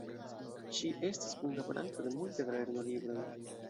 Ŝi estis kunlaboranto de multe da lernolibroj.